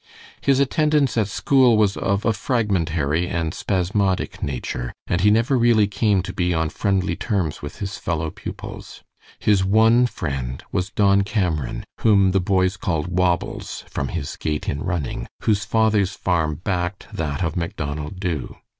His attendance at school was of a fragmentary and spasmodic nature, and he never really came to be on friendly terms with his fellow pupils. His one friend was Don Cameron, whom the boys called "Wobbles," from his gait in running, whose father's farm backed that of Macdonald Dubh.